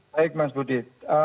baik mas budi